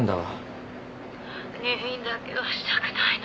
☎入院だけはしたくないの。